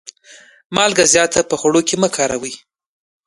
مالګه زیاته په خوړو کي مه کاروئ.